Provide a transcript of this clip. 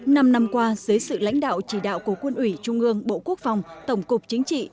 năm năm qua dưới sự lãnh đạo chỉ đạo của quân ủy trung ương bộ quốc phòng tổng cục chính trị